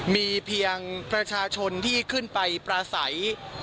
มีเพียงประชาชนที่ขึ้นไปปราศัย